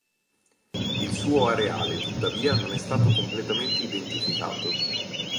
Il suo areale, tuttavia, non è stato completamente identificato.